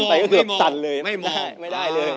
คันไปแล้วก็ซันไม่ได้เลย